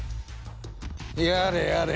やれやれ。